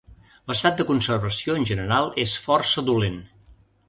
L'estat de conservació en general és força dolent.